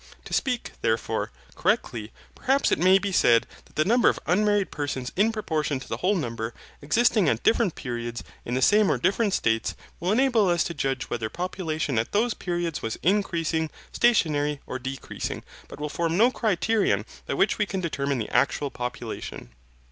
To speak, therefore, correctly, perhaps it may be said that the number of unmarried persons in proportion to the whole number, existing at different periods, in the same or different states will enable us to judge whether population at these periods was increasing, stationary, or decreasing, but will form no criterion by which we can determine the actual population.